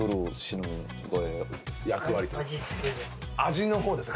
味の方です